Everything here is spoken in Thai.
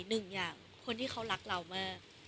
หนึ่งอย่างคนที่เขารักเรามาก